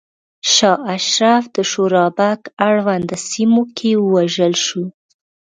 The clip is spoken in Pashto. شاه اشرف د شورابک اړونده سیمو کې ووژل شو.